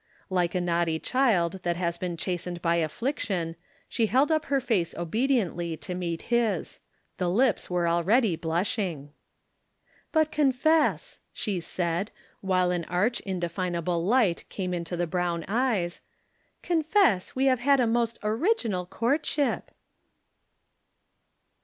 Like a naughty child that has been chastened by affliction she held up her face obediently to meet his. The lips were already blushing. "But confess," she said, while an arch indefinable light came into the brown eyes, "confess we have had a most original courtship."